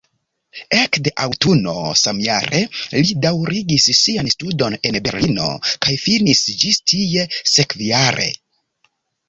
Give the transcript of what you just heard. Ekde aŭtuno samjare li daŭrigis sian studon en Berlino kaj finis ĝis tie sekvajare.